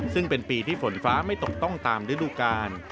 ซึ่งเป็นปีที่ฝนฟ้าไม่ตกต้องตามฤดูกาล